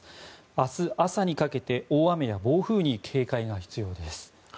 明日朝にかけて大雨や暴風に警戒が必要です。